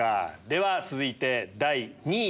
では続いて第２位。